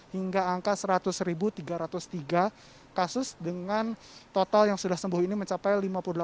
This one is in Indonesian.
hingga angka seratus tiga ratus tiga kasus dengan total yang sudah sembuh ini mencapai lima puluh delapan satu ratus tujuh puluh tiga